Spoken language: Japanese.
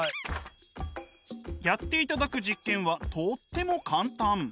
やっていただく実験はとっても簡単。